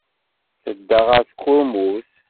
Tedda ɣer tkurmut.